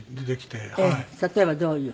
例えばどういう？